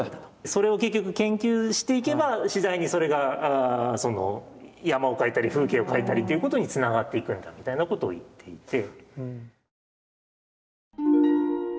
それを結局研究していけば次第にそれが山を描いたり風景を描いたりということにつながっていくんだみたいなことを言っていて。